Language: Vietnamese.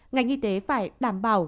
ngành y tế phải đảm bảo